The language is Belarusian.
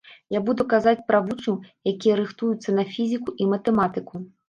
Я буду казаць пра вучняў, якія рыхтуюцца на фізіку і матэматыку.